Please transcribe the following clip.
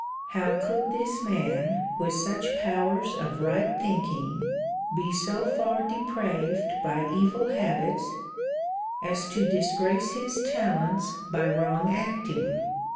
How could this man, with such powers of right thinking, be so far depraved by evil habits, as to disgrace his talents by wrong acting?